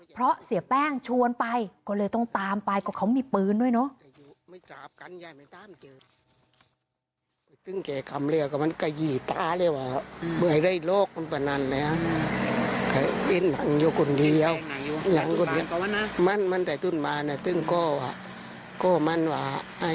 เพราะเสียแป้งชวนไปก็เลยต้องตามไปก็เขามีปืนด้วยเนอะ